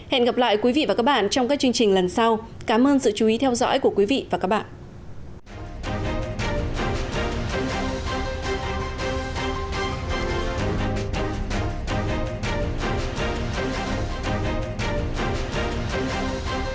hẹn gặp lại quý vị và các bạn trong các chương trình lần sau cảm ơn sự chú ý theo dõi của quý vị và các bạn